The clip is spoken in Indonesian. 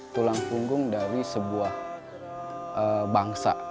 tulang punggung dari sebuah bangsa